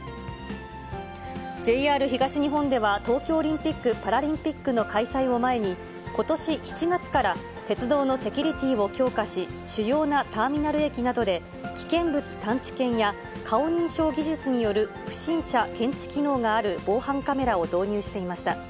ＪＲ東日本では、東京オリンピック・パラリンピックの開催を前に、ことし７月から、鉄道のセキュリティーを強化し、主要なターミナル駅などで危険物探知犬や顔認証技術による不審者検知機能がある防犯カメラを導入していました。